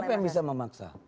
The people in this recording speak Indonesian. siapa yang bisa memaksa